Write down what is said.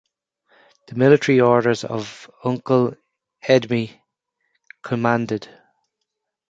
The military orders of Uncle Edme commanded.